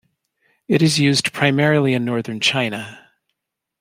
It is used primarily in northern China.